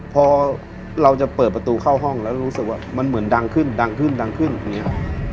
พอเราจะเปิดประตูเข้าห้องแล้วรู้สึกว่ามันเหมือนดังขึ้นดังขึ้นดังขึ้นอย่างนี้